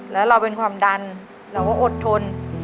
แล้วเราเป็นความดันเราก็อดทน